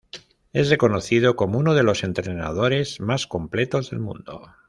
Es reconocido como uno de los entrenadores más completos del mundo.